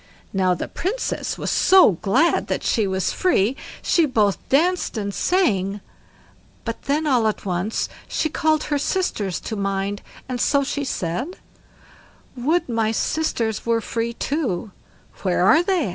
Now the Princess was so glad that she was free, she both danced and sang, but then all at once she called her sisters to mind, and so she said: "Would my sisters were free too" "Where are they?"